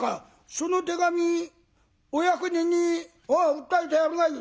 「その手紙お役人に訴えてやるがいい」。